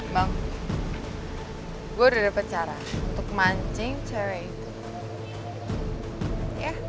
bang aku sudah dapat cara untuk mancing cewek itu